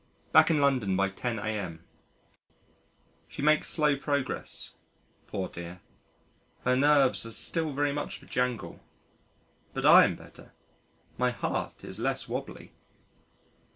Back in London by 10 a.m. She makes slow progress, poor dear her nerves are still very much of a jangle. But I am better, my heart is less wobbly.